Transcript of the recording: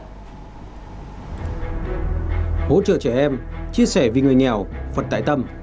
hỗ trợ trẻ em chia sẻ vì người nghèo phận tài tâm